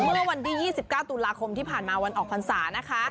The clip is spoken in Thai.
เมื่อวันที่๒๙ตุลาคมที่ผ่านมาวันออกพรรษานะคะ